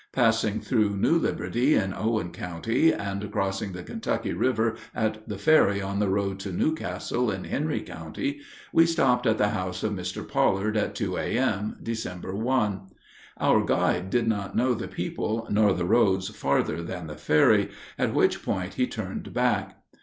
Passing through New Liberty, in Owen County, and crossing the Kentucky River at the ferry on the road to New Castle, in Henry County, we stopped at the house of Mr. Pollard at 2 A.M., December 1. Our guide did not know the people nor the roads farther than the ferry, at which point he turned back.